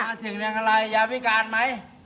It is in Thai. มาถึงแหล่งอะไรยาวิการไหม